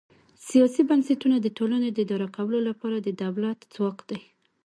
سیاسي بنسټونه د ټولنې د اداره کولو لپاره د دولت ځواک دی.